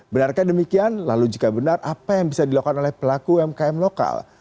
benarkah demikian lalu jika benar apa yang bisa dilakukan oleh pelaku umkm lokal